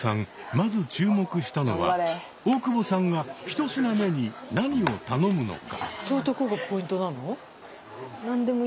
まず注目したのは大久保さんが１品目に何を頼むのか？